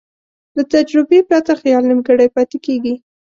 له تجربې پرته خیال نیمګړی پاتې کېږي.